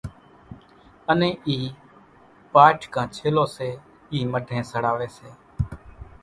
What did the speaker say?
انين اِي پاٺ ڪان ڇيلو سي اِي مڍين سڙاوي سي۔